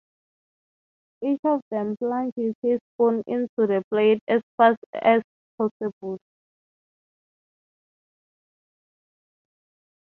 Each of them plunges his spoon into the plate as fast as possible.